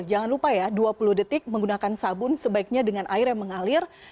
jangan lupa ya dua puluh detik menggunakan sabun sebaiknya dengan air yang mengalir